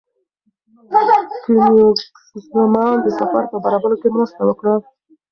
کوېنیګزمان د سفر په برابرولو کې مرسته وکړه.